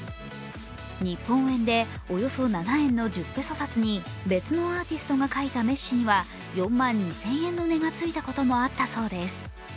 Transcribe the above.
日本円でおよそ７円の１０ペソ札に別のアーティストが描いたメッシには４万２０００円の値がついたこともあったそうです。